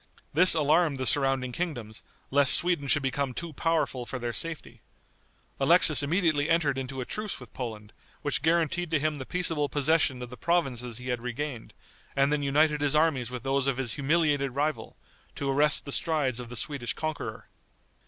This alarmed the surrounding kingdoms, lest Sweden should become too powerful for their safety. Alexis immediately entered into a truce with Poland, which guaranteed to him the peaceable possession of the provinces he had regained, and then united his armies with those of his humiliated rival, to arrest the strides of the Swedish conqueror.